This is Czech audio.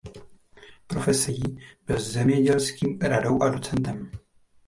Profesí byl zemědělským radou a docentem.